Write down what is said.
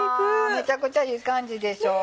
めちゃくちゃいい感じでしょう。